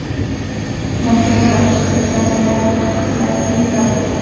La antigua capital era Battle Harbour.